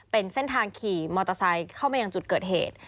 เป็นเส้นทางขี่มอเตอร์ไซค์เข้ามายังจุดเกิดเหตุ